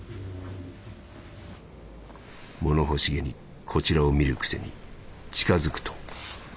「物欲しげにこちらを見るくせに近づくと逃げる」。